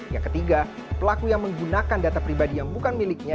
yang ketiga pelaku yang menggunakan data pribadi yang bukan miliknya